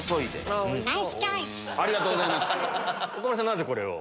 なぜこれを？